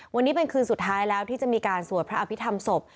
วันนี้เป็นคืนสุดท้ายแล้วที่จะมีการสวดพระอภิษฐรรมศพ